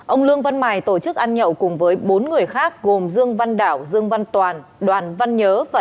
ông lương văn mài tổ chức ăn nhậu cùng với bốn người khác gồm dương văn đảo dương văn toàn đoàn văn nhớ và